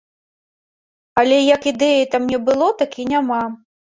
Але, як ідэі там не было, так і няма.